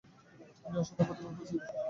তিনি অসাধারণ প্রতিভার পরিচয় দেন।